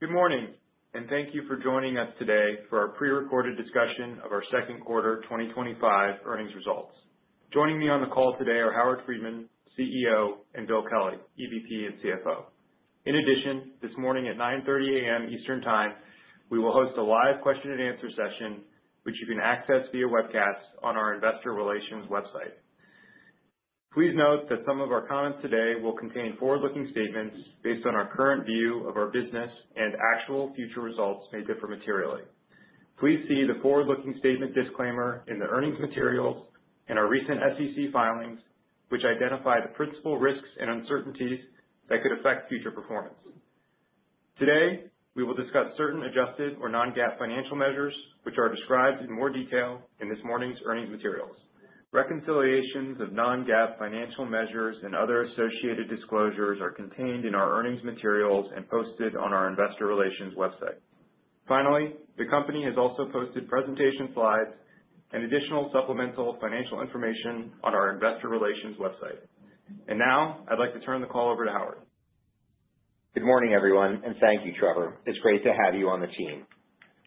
Good morning, and thank you for joining us today for our pre-recorded discussion of our second quarter 2025 earnings results. Joining me on the call today are Howard Friedman, CEO, and Bill Kelley, EVP and CFO. In addition, this morning at 9:30 A.M. Eastern Time, we will host a live question-and-answer session, which you can access via webcast on our investor relations website. Please note that some of our comments today will contain forward-looking statements based on our current view of our business, and actual future results may differ materially. Please see the forward-looking statement disclaimer in the earnings materials and our recent SEC filings, which identify the principal risks and uncertainties that could affect future performance. Today, we will discuss certain adjusted or non-GAAP financial measures, which are described in more detail in this morning's earnings materials. Reconciliations of non-GAAP financial measures and other associated disclosures are contained in our earnings materials and posted on our investor relations website. Finally, the company has also posted presentation slides and additional supplemental financial information on our investor relations website. And now, I'd like to turn the call over to Howard. Good morning, everyone, and thank you, Trevor. It's great to have you on the team.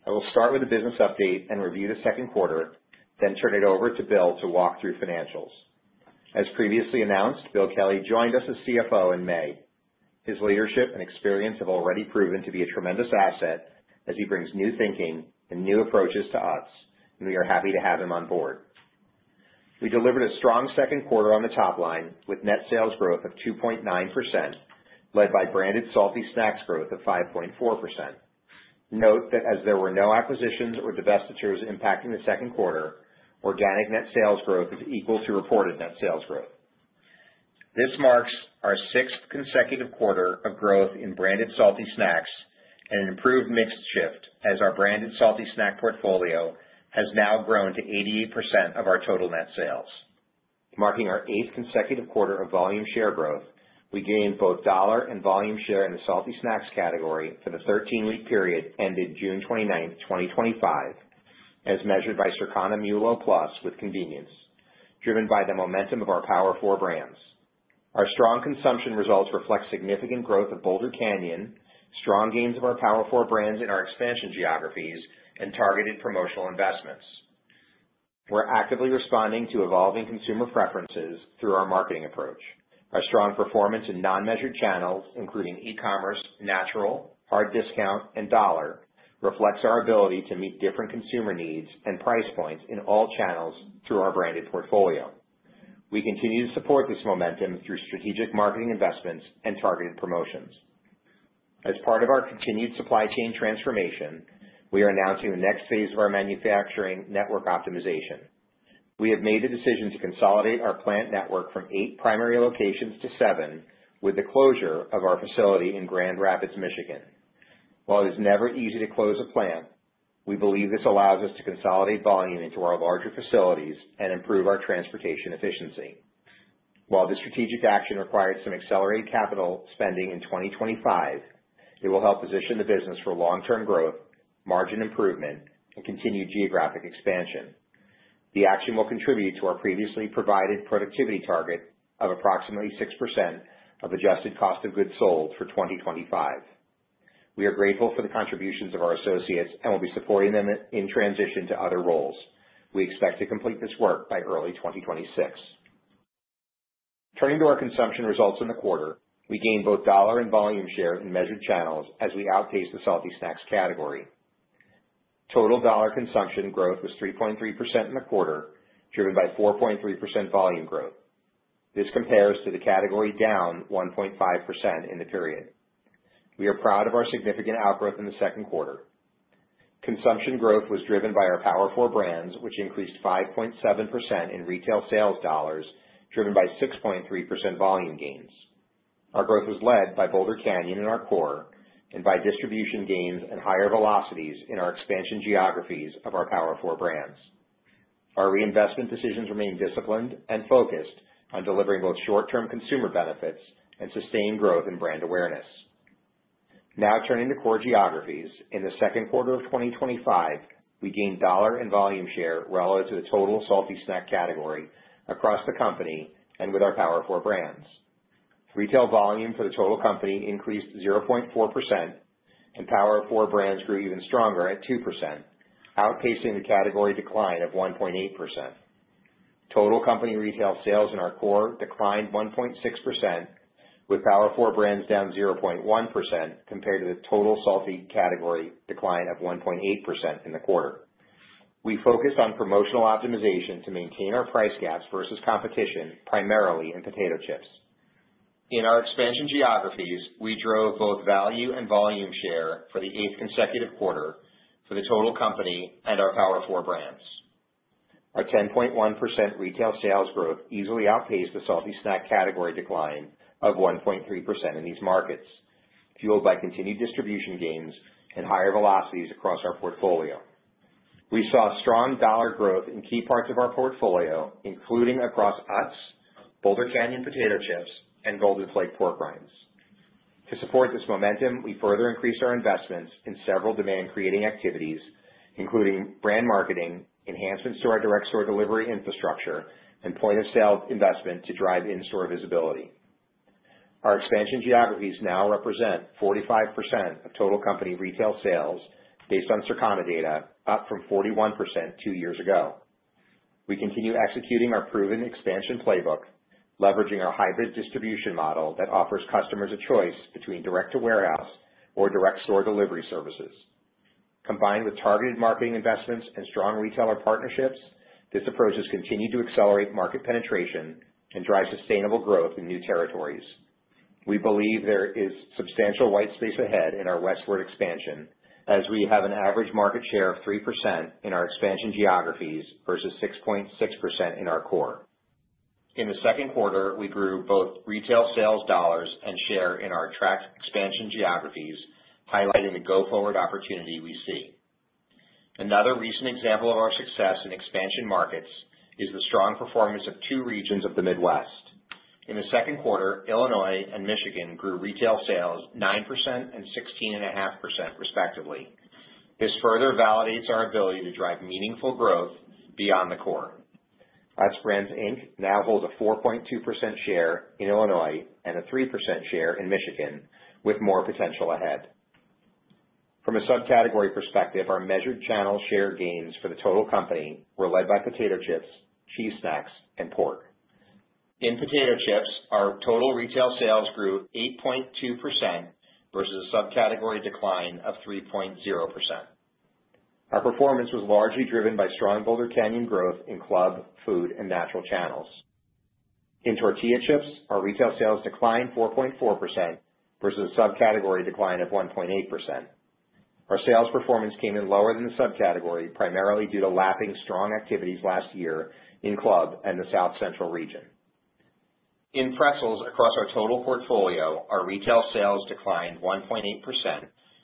I will start with a business update and review the second quarter, then turn it over to Bill to walk through financials. As previously announced, Bill Kelley joined us as CFO in May. His leadership and experience have already proven to be a tremendous asset as he brings new thinking and new approaches to us, and we are happy to have him on board. We delivered a strong second quarter on the top line with net sales growth of 2.9%, led by branded salty snacks growth of 5.4%. Note that as there were no acquisitions or divestitures impacting the second quarter, organic net sales growth is equal to reported net sales growth. This marks our sixth consecutive quarter of growth in branded salty snacks and an improved mix shift as our branded salty snack portfolio has now grown to 88% of our total net sales. Marking our eighth consecutive quarter of volume share growth, we gained both dollar and volume share in the salty snacks category for the 13-week period ended June 29, 2025, as measured by Circana MULO+ with Convenience, driven by the momentum of our Power Four brands. Our strong consumption results reflect significant growth of Boulder Canyon, strong gains of our Power Four brands in our expansion geographies, and targeted promotional investments. We're actively responding to evolving consumer preferences through our marketing approach. Our strong performance in non-measured channels, including e-commerce, natural, hard discount, and dollar, reflects our ability to meet different consumer needs and price points in all channels through our branded portfolio. We continue to support this momentum through strategic marketing investments and targeted promotions. As part of our continued supply chain transformation, we are announcing the next phase of our manufacturing network optimization. We have made the decision to consolidate our plant network from eight primary locations to seven, with the closure of our facility in Grand Rapids, Michigan. While it is never easy to close a plant, we believe this allows us to consolidate volume into our larger facilities and improve our transportation efficiency. While this strategic action required some accelerated capital spending in 2025, it will help position the business for long-term growth, margin improvement, and continued geographic expansion. The action will contribute to our previously provided productivity target of approximately 6% of Adjusted Cost of Goods Sold for 2025. We are grateful for the contributions of our associates and will be supporting them in transition to other roles. We expect to complete this work by early 2026. Turning to our consumption results in the quarter, we gained both dollar and volume share in measured channels as we outpaced the salty snacks category. Total dollar consumption growth was 3.3% in the quarter, driven by 4.3% volume growth. This compares to the category down 1.5% in the period. We are proud of our significant outgrowth in the second quarter. Consumption growth was driven by our Power Four brands, which increased 5.7% in retail sales dollars, driven by 6.3% volume gains. Our growth was led by Boulder Canyon in our core and by distribution gains and higher velocities in our expansion geographies of our Power Four brands. Our reinvestment decisions remain disciplined and focused on delivering both short-term consumer benefits and sustained growth in brand awareness. Now turning to core geographies, in the second quarter of 2025, we gained dollar and volume share relative to the total salty snack category across the company and with our Power Four brands. Retail volume for the total company increased 0.4%, and Power Four brands grew even stronger at 2%, outpacing the category decline of 1.8%. Total company retail sales in our core declined 1.6%, with Power Four brands down 0.1% compared to the total salty category decline of 1.8% in the quarter. We focused on promotional optimization to maintain our price gaps versus competition, primarily in potato chips. In our expansion geographies, we drove both value and volume share for the eighth consecutive quarter for the total company and our Power Four brands. Our 10.1% retail sales growth easily outpaced the salty snack category decline of 1.3% in these markets, fueled by continued distribution gains and higher velocities across our portfolio. We saw strong dollar growth in key parts of our portfolio, including across Utz, Boulder Canyon potato chips, and Golden Flake pork rinds. To support this momentum, we further increased our investments in several demand-creating activities, including brand marketing, enhancements to our direct store delivery infrastructure, and point-of-sale investment to drive in-store visibility. Our expansion geographies now represent 45% of total company retail sales based on Circana data, up from 41% two years ago. We continue executing our proven expansion playbook, leveraging our hybrid distribution model that offers customers a choice between direct-to-warehouse or direct-store delivery services. Combined with targeted marketing investments and strong retailer partnerships, this approach has continued to accelerate market penetration and drive sustainable growth in new territories. We believe there is substantial white space ahead in our westward expansion as we have an average market share of 3% in our expansion geographies versus 6.6% in our core. In the second quarter, we grew both retail sales dollars and share in our tracked expansion geographies, highlighting the go-forward opportunity we see. Another recent example of our success in expansion markets is the strong performance of two regions of the Midwest. In the second quarter, Illinois and Michigan grew retail sales 9% and 16.5%, respectively. This further validates our ability to drive meaningful growth beyond the core. Utz Brands, Inc. now holds a 4.2% share in Illinois and a 3% share in Michigan, with more potential ahead. From a subcategory perspective, our measured channel share gains for the total company were led by potato chips, cheese snacks, and pork. In potato chips, our total retail sales grew 8.2% versus a subcategory decline of 3.0%. Our performance was largely driven by strong Boulder Canyon growth in club, food, and natural channels. In tortilla chips, our retail sales declined 4.4% versus a subcategory decline of 1.8%. Our sales performance came in lower than the subcategory, primarily due to lapping strong activities last year in club and the south-central region. In pretzels, across our total portfolio, our retail sales declined 1.8%,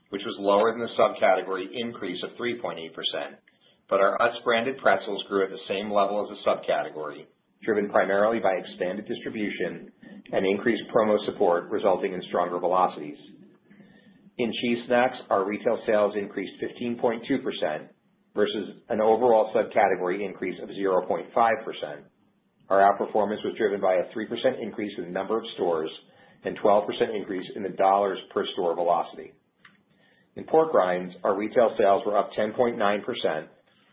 which was lower than the subcategory increase of 3.8%, but our Utz Brands pretzels grew at the same level as the subcategory, driven primarily by expanded distribution and increased promo support resulting in stronger velocities. In cheese snacks, our retail sales increased 15.2% versus an overall subcategory increase of 0.5%. Our outperformance was driven by a 3% increase in the number of stores and a 12% increase in the dollars per store velocity. In pork rinds, our retail sales were up 10.9%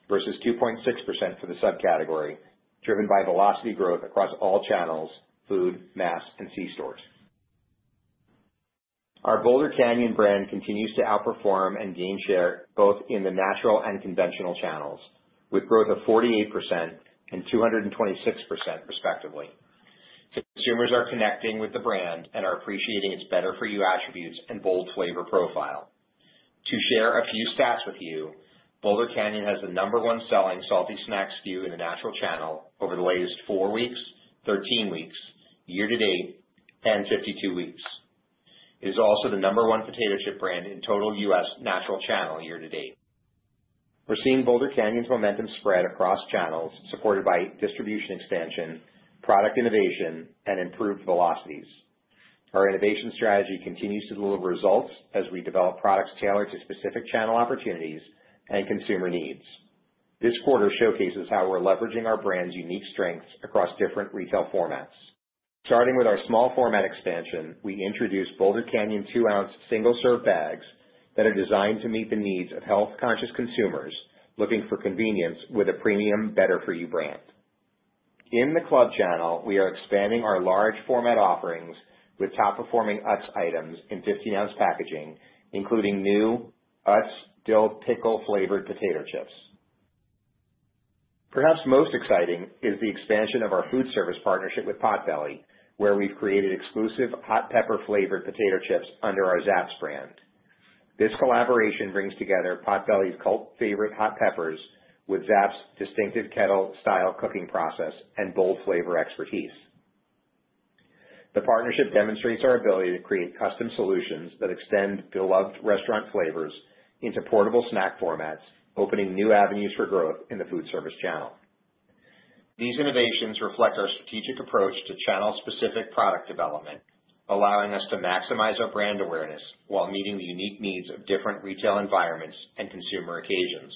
versus 2.6% for the subcategory, driven by velocity growth across all channels: food, mass, and C-stores. Our Boulder Canyon brand continues to outperform and gain share both in the natural and conventional channels, with growth of 48% and 226%, respectively. Consumers are connecting with the brand and are appreciating its better-for-you attributes and bold flavor profile. To share a few stats with you, Boulder Canyon has the number one selling salty snacks SKU in the natural channel over the latest four weeks, 13 weeks, year to date, and 52 weeks. It is also the number one potato chip brand in total U.S. natural channel year to date. We're seeing Boulder Canyon's momentum spread across channels, supported by distribution expansion, product innovation, and improved velocities. Our innovation strategy continues to deliver results as we develop products tailored to specific channel opportunities and consumer needs. This quarter showcases how we're leveraging our brand's unique strengths across different retail formats. Starting with our small format expansion, we introduced Boulder Canyon two-ounce single-serve bags that are designed to meet the needs of health-conscious consumers looking for convenience with a premium better-for-you brand. In the club channel, we are expanding our large format offerings with top-performing Utz items in 15-ounce packaging, including new Utz dill pickle-flavored potato chips. Perhaps most exciting is the expansion of our food service partnership with Potbelly, where we've created exclusive hot pepper-flavored potato chips under our Zapp's brand. This collaboration brings together Potbelly's cult favorite hot peppers with Zapp's distinctive kettle-style cooking process and bold flavor expertise. The partnership demonstrates our ability to create custom solutions that extend beloved restaurant flavors into portable snack formats, opening new avenues for growth in the food service channel. These innovations reflect our strategic approach to channel-specific product development, allowing us to maximize our brand awareness while meeting the unique needs of different retail environments and consumer occasions.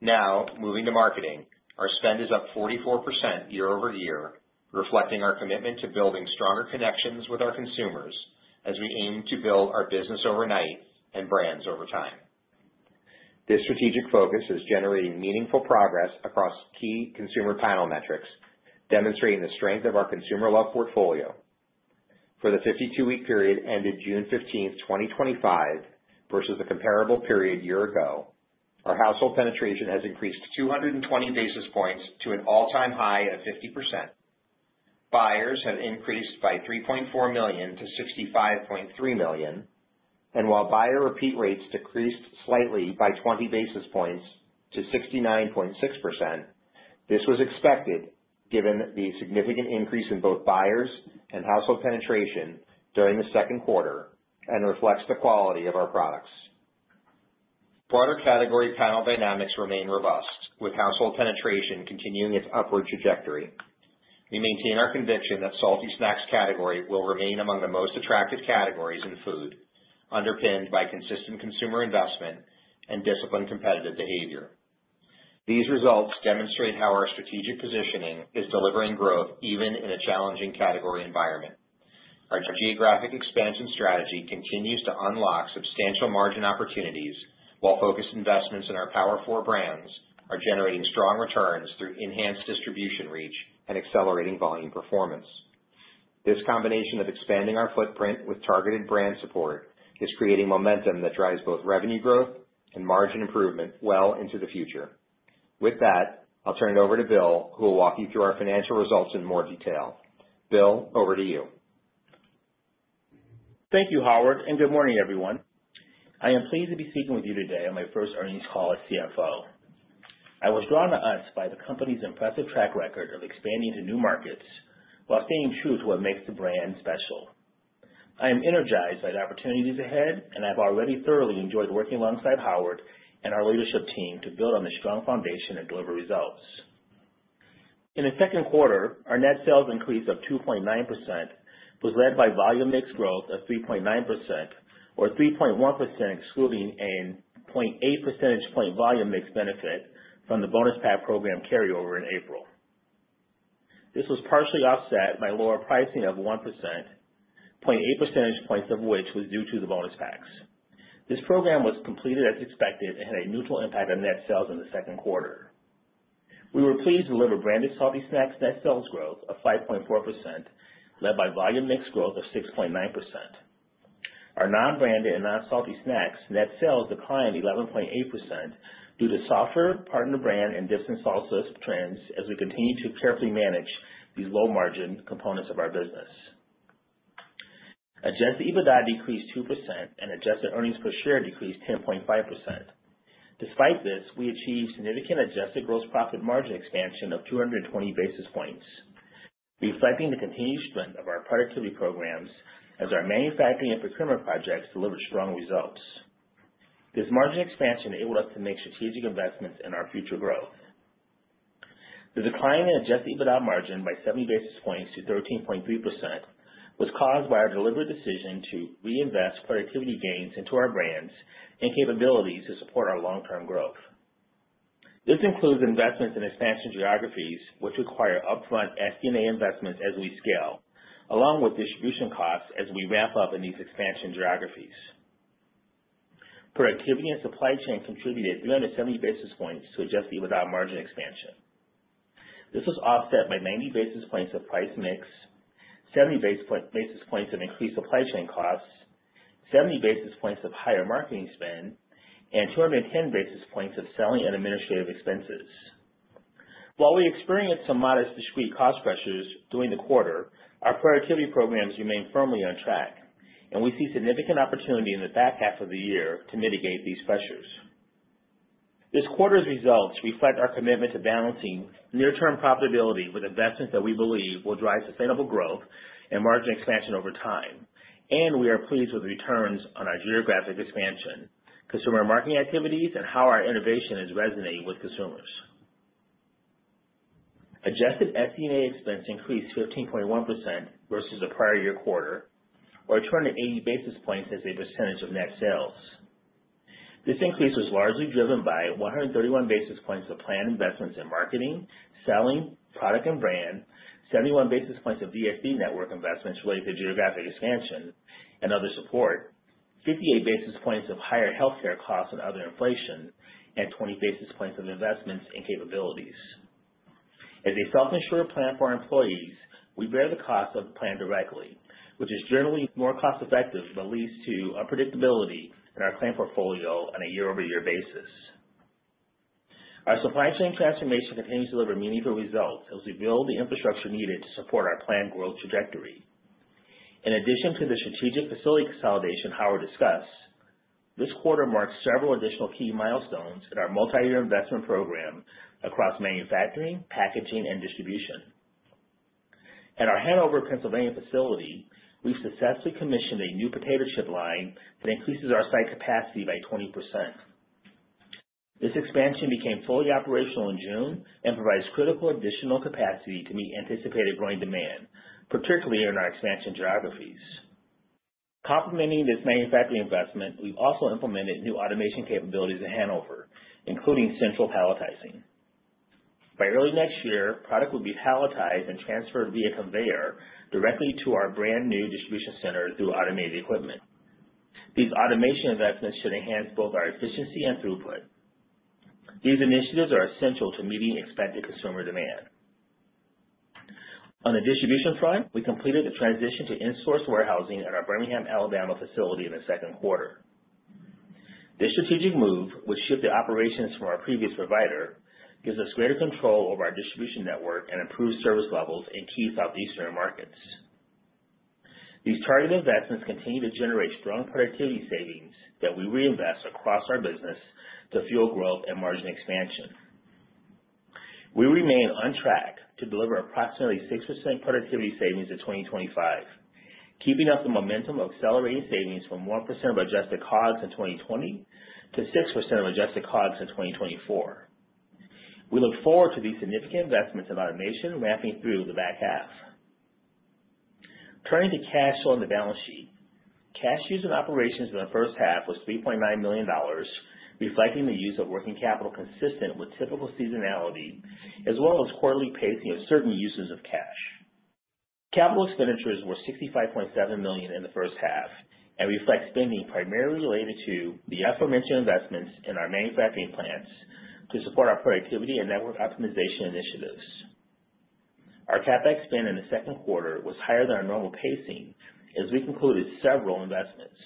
Now, moving to marketing, our spend is up 44% year over year, reflecting our commitment to building stronger connections with our consumers as we aim to build our business overnight and brands over time. This strategic focus is generating meaningful progress across key consumer panel metrics, demonstrating the strength of our consumer-loved portfolio. For the 52-week period ended June 15, 2025, versus the comparable period year ago, our household penetration has increased 220 basis points to an all-time high of 50%. Buyers have increased by 3.4 million to 65.3 million, and while buyer repeat rates decreased slightly by 20 basis points to 69.6%, this was expected given the significant increase in both buyers and household penetration during the second quarter and reflects the quality of our products. Broader category panel dynamics remain robust, with household penetration continuing its upward trajectory. We maintain our conviction that salty snacks category will remain among the most attractive categories in food, underpinned by consistent consumer investment and disciplined competitive behavior. These results demonstrate how our strategic positioning is delivering growth even in a challenging category environment. Our geographic expansion strategy continues to unlock substantial margin opportunities while focused investments in our Power Four brands are generating strong returns through enhanced distribution reach and accelerating volume performance. This combination of expanding our footprint with targeted brand support is creating momentum that drives both revenue growth and margin improvement well into the future. With that, I'll turn it over to Bill, who will walk you through our financial results in more detail. Bill, over to you. Thank you, Howard, and good morning, everyone. I am pleased to be speaking with you today on my first earnings call as CFO. I was drawn to Utz by the company's impressive track record of expanding to new markets while staying true to what makes the brand special. I am energized by the opportunities ahead, and I've already thoroughly enjoyed working alongside Howard and our leadership team to build on the strong foundation and deliver results. In the second quarter, our net sales increase of 2.9% was led by volume mix growth of 3.9%, or 3.1% excluding a 0.8 percentage point volume mix benefit from the bonus pack program carryover in April. This was partially offset by lower pricing of 1%, 0.8 percentage points of which was due to the bonus packs. This program was completed as expected and had a neutral impact on net sales in the second quarter. We were pleased to deliver branded salty snacks net sales growth of 5.4%, led by volume mix growth of 6.9%. Our non-branded and non-salty snacks net sales declined 11.8% due to softer partner brand and private label snack sales trends as we continue to carefully manage these low-margin components of our business. Adjusted EBITDA decreased 2%, and Adjusted Earnings Per Share decreased 10.5%. Despite this, we achieved significant Adjusted Gross Profit margin expansion of 220 basis points, reflecting the continued strength of our productivity programs as our manufacturing and procurement projects delivered strong results. This margin expansion enabled us to make strategic investments in our future growth. The decline in Adjusted EBITDA margin by 70 basis points to 13.3% was caused by our deliberate decision to reinvest productivity gains into our brands and capabilities to support our long-term growth. This includes investments in expansion geographies, which require upfront SD&A investments as we scale, along with distribution costs as we ramp up in these expansion geographies. Productivity and supply chain contributed 370 basis points to Adjusted EBITDA margin expansion. This was offset by 90 basis points of price mix, 70 basis points of increased supply chain costs, 70 basis points of higher marketing spend, and 210 basis points of selling and administrative expenses. While we experienced some modest discrete cost pressures during the quarter, our productivity programs remained firmly on track, and we see significant opportunity in the back half of the year to mitigate these pressures. This quarter's results reflect our commitment to balancing near-term profitability with investments that we believe will drive sustainable growth and margin expansion over time, and we are pleased with the returns on our geographic expansion, consumer marketing activities, and how our innovation is resonating with consumers. Adjusted SD&A expense increased 15.1% versus the prior year quarter, or 280 basis points as a percentage of net sales. This increase was largely driven by 131 basis points of planned investments in marketing, selling, product, and brand, 71 basis points of DSD network investments related to geographic expansion and other support, 58 basis points of higher healthcare costs and other inflation, and 20 basis points of investments and capabilities. As a self-insured plan for our employees, we bear the cost of the plan directly, which is generally more cost-effective but leads to unpredictability in our plan portfolio on a year-over-year basis. Our supply chain transformation continues to deliver meaningful results as we build the infrastructure needed to support our planned growth trajectory. In addition to the strategic facility consolidation Howard discussed, this quarter marks several additional key milestones in our multi-year investment program across manufacturing, packaging, and distribution. At our Hanover, Pennsylvania facility, we've successfully commissioned a new potato chip line that increases our site capacity by 20%. This expansion became fully operational in June and provides critical additional capacity to meet anticipated growing demand, particularly in our expansion geographies. Complementing this manufacturing investment, we've also implemented new automation capabilities at Hanover, including central palletizing. By early next year, product would be palletized and transferred via conveyor directly to our brand-new distribution center through automated equipment. These automation investments should enhance both our efficiency and throughput. These initiatives are essential to meeting expected consumer demand. On the distribution front, we completed the transition to insource warehousing at our Birmingham, Alabama facility in the second quarter. This strategic move, which shifted operations from our previous provider, gives us greater control over our distribution network and improved service levels in key southeastern markets. These targeted investments continue to generate strong productivity savings that we reinvest across our business to fuel growth and margin expansion. We remain on track to deliver approximately 6% productivity savings in 2025, keeping up the momentum of accelerating savings from 1% of Adjusted COGS in 2020 to 6% of Adjusted COGS in 2024. We look forward to these significant investments in automation ramping through the back half. Turning to cash on the balance sheet, cash used in operations in the first half was $3.9 million, reflecting the use of working capital consistent with typical seasonality, as well as quarterly pacing of certain uses of cash. Capital expenditures were $65.7 million in the first half and reflect spending primarily related to the aforementioned investments in our manufacturing plants to support our productivity and network optimization initiatives. Our CapEx spend in the second quarter was higher than our normal pacing as we concluded several investments,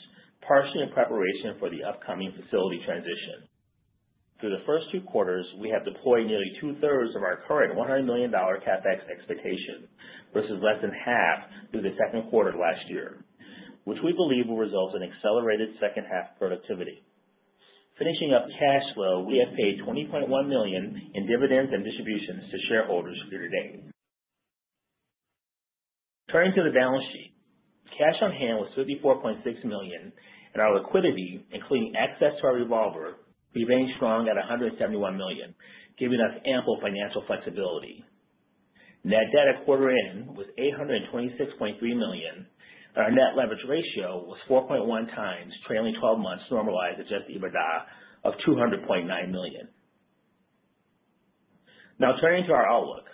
partially in preparation for the upcoming facility transition. Through the first two quarters, we have deployed nearly two-thirds of our current $100 million CapEx expectation versus less than half through the second quarter of last year, which we believe will result in accelerated second-half productivity. Finishing up cash flow, we have paid $20.1 million in dividends and distributions to shareholders for today. Turning to the balance sheet, cash on hand was $54.6 million, and our liquidity, including access to our revolver, remained strong at $171 million, giving us ample financial flexibility. Net debt at quarter end was $826.3 million, and our net leverage ratio was 4.1 times trailing twelve months normalized Adjusted EBITDA of $200.9 million. Now, turning to our outlook,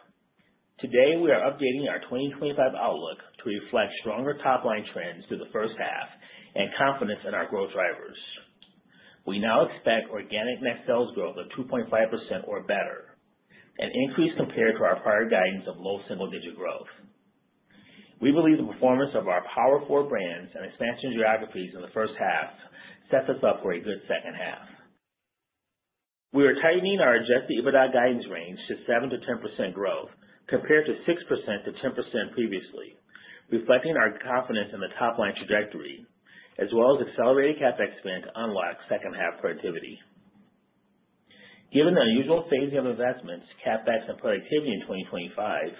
today we are updating our 2025 outlook to reflect stronger top-line trends through the first half and confidence in our growth drivers. We now expect organic net sales growth of 2.5% or better, an increase compared to our prior guidance of low single-digit growth. We believe the performance of our Power Four brands and expansion geographies in the first half sets us up for a good second half. We are tightening our Adjusted EBITDA guidance range to 7%-10% growth compared to 6%-10% previously, reflecting our confidence in the top-line trajectory, as well as accelerated CapEx spend to unlock second-half productivity. Given the unusual phasing of investments, CapEx, and productivity in 2025,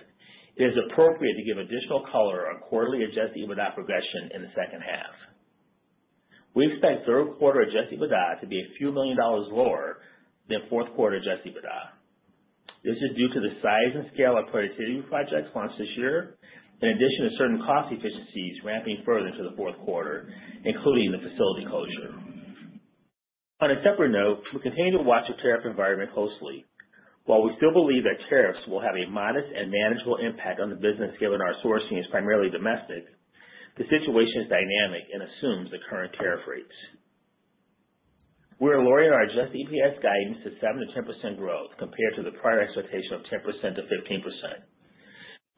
it is appropriate to give additional color on quarterly Adjusted EBITDA progression in the second half. We expect third quarter Adjusted EBITDA to be a few million dollars lower than fourth quarter Adjusted EBITDA. This is due to the size and scale of productivity projects launched this year, in addition to certain cost efficiencies ramping further into the fourth quarter, including the facility closure. On a separate note, we continue to watch the tariff environment closely. While we still believe that tariffs will have a modest and manageable impact on the business given our sourcing is primarily domestic, the situation is dynamic and assumes the current tariff rates. We are lowering our Adjusted EPS guidance to 7%-10% growth compared to the prior expectation of 10%-15%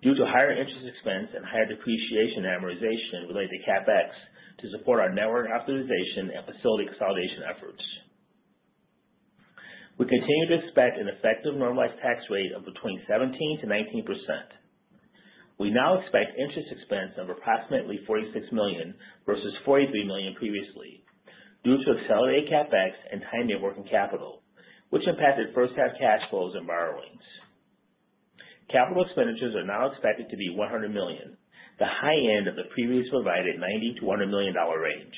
due to higher interest expense and higher depreciation amortization related to CapEx to support our network optimization and facility consolidation efforts. We continue to expect an effective normalized tax rate of between 17-19%. We now expect interest expense of approximately $46 million versus $43 million previously due to accelerated CapEx and tightening of working capital, which impacted first-half cash flows and borrowings. Capital expenditures are now expected to be $100 million, the high end of the previously provided $90-$100 million range,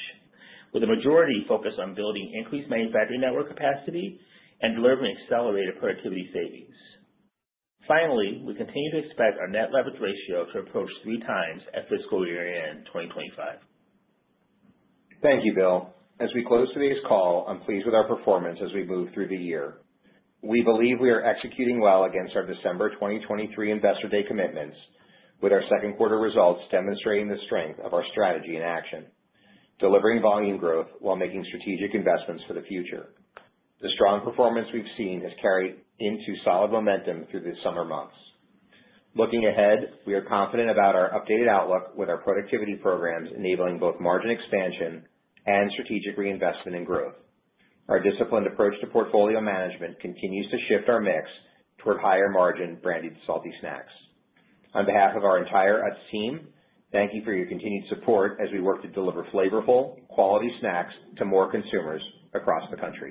with the majority focused on building increased manufacturing network capacity and delivering accelerated productivity savings. Finally, we continue to expect our net leverage ratio to approach 3.0x at fiscal year-end 2025. Thank you, Bill. As we close today's call, I'm pleased with our performance as we move through the year. We believe we are executing well against our December 2023 Investor Day commitments, with our second quarter results demonstrating the strength of our strategy in action, delivering volume growth while making strategic investments for the future. The strong performance we've seen has carried into solid momentum through the summer months. Looking ahead, we are confident about our updated outlook with our productivity programs enabling both margin expansion and strategic reinvestment in growth. Our disciplined approach to portfolio management continues to shift our mix toward higher-margin branded salty snacks. On behalf of our entire Utz team, thank you for your continued support as we work to deliver flavorful, quality snacks to more consumers across the country.